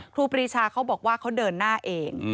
ครูปรีชาเขาบอกว่าเขาเดินหน้าเอง